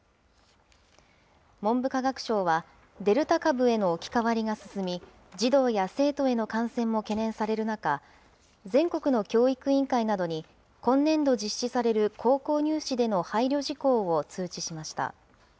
文部科学省は、デルタ株への置き換わりが進み、児童や生徒への感染も懸念される中、全国の教育委員会などに、今年度実施される高校入試での配慮事項を通知しました。